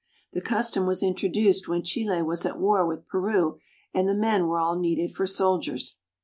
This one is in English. The custom was introduced when Chile was at war with Peru and the men were all needed for soldiers.